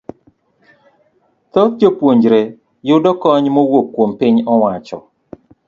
Thoth jopuonjrego yudo kony mowuok kuom piny owacho.